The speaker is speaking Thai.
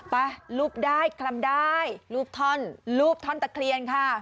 ไปรูปได้คลำได้รูปท่อนรูปท่อนตะเคียนค่ะ